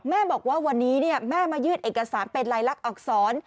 แม่บอกว่าวันนี้แม่มายื่นเอกสารเป็นลายลักษณอักษร